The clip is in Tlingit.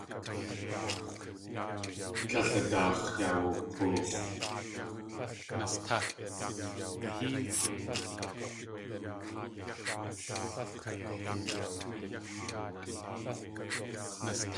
Tlél a daax̲ yawuk̲oox̲.